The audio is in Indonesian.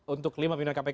untuk lima miliar kpk